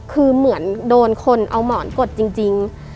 คือเหมือนโดนคนเอาหมอนกดจริง